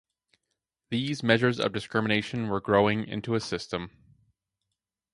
These measures of discrimination were growing into a system.